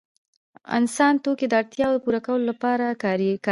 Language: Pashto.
انسان توکي د اړتیاوو پوره کولو لپاره کاروي.